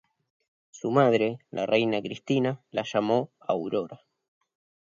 Su madre, la reina Cristina la llamó Aurora.